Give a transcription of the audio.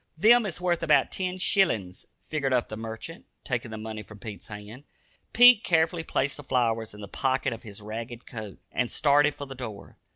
"Them is wurth about ten shillins," figured up the merchant, taking the money from Pete's hand. Pete carefully placed the flowers in the pocket of his ragged coat, and started for the door.